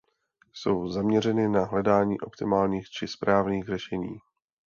Jsou zaměřeny na hledání optimálních či správných řešení.